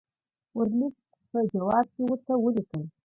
ورلسټ په جواب کې ورته ولیکل.